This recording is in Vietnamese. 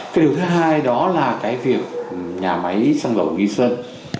cái điều thứ hai đó là cái việc nhà máy xăng dầu nghi sơn